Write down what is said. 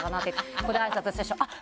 「ここであいさつしたでしょあっ